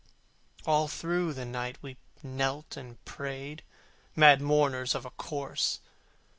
All through the night we knelt and prayed, Mad mourners of a corse!